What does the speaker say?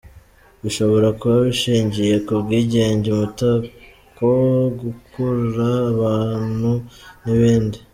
Bishobora kuba ibishingiye kubwigenge, umutako, gukurura abantu n’ibindi.